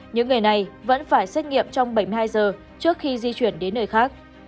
những người này vẫn phải xét nghiệm trong bảy mươi hai giờ trước khi di chuyển đến nơi khác